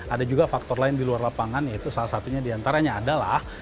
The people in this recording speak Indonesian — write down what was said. ada juga faktor lain di luar lapangan yaitu salah satunya diantaranya adalah